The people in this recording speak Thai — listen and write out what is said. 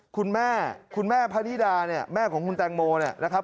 คุณแม่คุณแม่พะนิดาเนี่ยแม่ของคุณแตงโมเนี่ยนะครับ